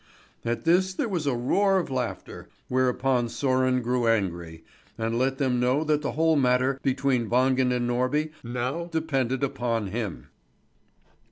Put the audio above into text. At this there was a roar of laughter, whereupon Sören grew angry, and let them know that the whole matter between Wangen and Norby now depended upon him.